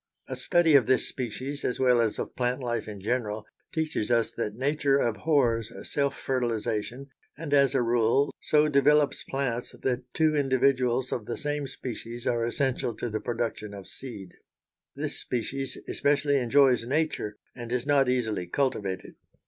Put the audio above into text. A study of this species, as well as of plant life in general, teaches us that nature abhors self fertilization and, as a rule, so develops plants that two individuals of the same species are essential to the production of seed. This species especially enjoys nature, and is not easily cultivated.